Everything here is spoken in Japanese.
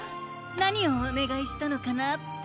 なにをおねがいしたのかなって。